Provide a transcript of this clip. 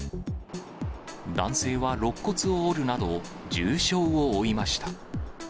男性はろっ骨を折るなど、重傷を負いました。